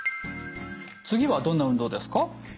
次はどんな運動ですか？